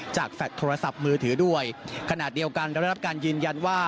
แฟลตโทรศัพท์มือถือด้วยขณะเดียวกันเราได้รับการยืนยันว่า